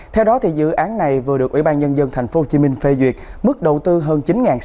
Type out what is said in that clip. theo đó dự án này vừa được ủy ban nhân dân tp hcm phê duyệt mức đầu tư hơn chín sáu trăm linh tỷ đồng